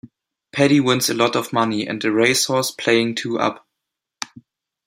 Paddy wins a lot of money and a race horse playing two-up.